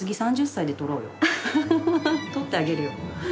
撮ってあげるよ。